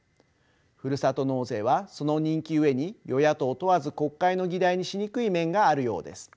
ふるさと納税はその人気ゆえに与野党問わず国会の議題にしにくい面があるようです。